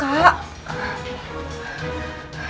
ya ampun kasih entah